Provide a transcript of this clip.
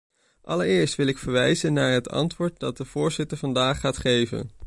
Allereerst wil ik verwijzen naar het antwoord dat de voorzitter vandaag gaat geven.